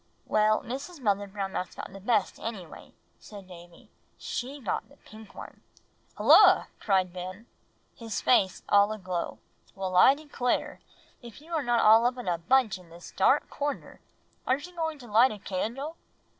"Well, Mrs. Mother Brown Mouse got the best anyway," said Davie; "she got the pink one." "Hulloa!" cried Ben rushing in, his face all aglow. "Well, I declare, if you are not all up in a bunch in this dark corner. Aren't you going to light a candle?"